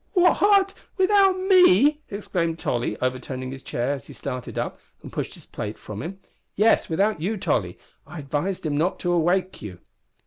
"What! without me?" exclaimed Tolly, overturning his chair as he started up and pushed his plate from him. "Yes, without you, Tolly; I advised him not to awake you."